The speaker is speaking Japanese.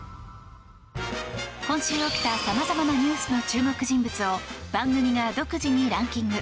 今週起きたさまざまなニュースの注目人物を番組が独自にランキング。